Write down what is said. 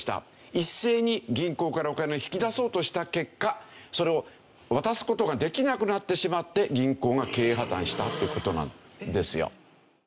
一斉に銀行からお金を引き出そうとした結果それを渡す事ができなくなってしまって銀行が経営破たんしたっていう事なんですよ。